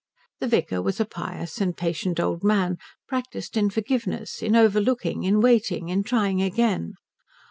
The vicar was a pious and patient old man, practiced in forgiveness, in overlooking, in waiting, in trying again.